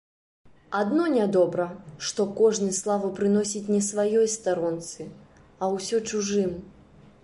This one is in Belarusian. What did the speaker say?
Адно нядобра, што кожны славу прыносіць не сваёй старонцы, а ўсё чужым.